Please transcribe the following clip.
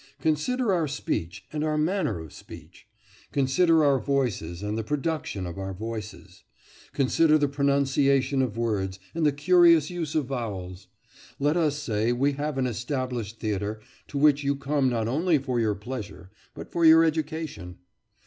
Consider our speech, and our manner of speech! Consider our voices, and the production of our voices! Consider the pronunciation of words, and the curious use of vowels! Let us say we have an established theatre, to which you come not only for your pleasure, but for your education.